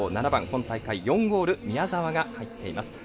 今大会、４ゴール宮澤が入っています。